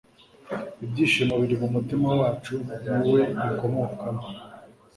Ibyishimo biri mu mutima wacu ni we bikomokaho